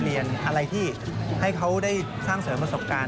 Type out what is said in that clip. เรียนอะไรที่ให้เขาได้สร้างเสริมประสบการณ์